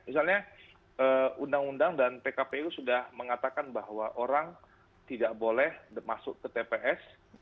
misalnya undang undang dan pkpu sudah mengatakan bahwa orang tidak boleh masuk ke tps